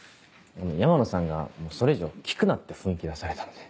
山野さんがそれ以上聞くなって雰囲気出されたので。